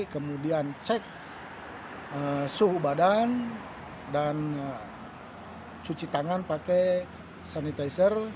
kemudian cek suhu badan dan cuci tangan pakai sanitizer